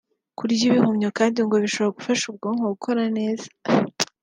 Kurya ibihumyo kandi ngo bishobora gufasha ubwonko gukora neza